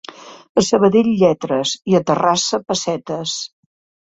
A Sabadell, lletres, i a Terrassa, pessetes.